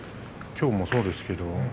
きょうも、そうですけど。